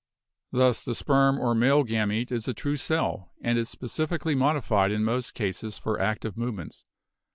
Thus the sperm or male gamete is a true cell, and is specially modi 244 BIOLOGY fied in most cases for active movements.